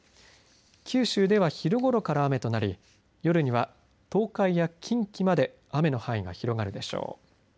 九州では昼ごろから雨となり夜には東海や近畿まで雨の範囲が広がるでしょう。